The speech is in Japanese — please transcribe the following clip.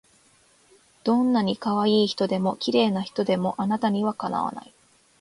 どんない可愛い人でも綺麗な人でもあなたには敵わない